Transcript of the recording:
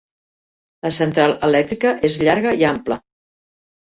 La central elèctrica és llarga i ampla.